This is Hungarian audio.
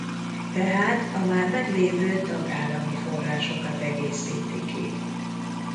Tehát a már meglévő tagállami forrásokat egészíti ki.